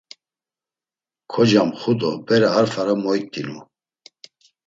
Kocamxu do bere a fara moyt̆inu.